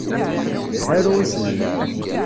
Aru isem-im.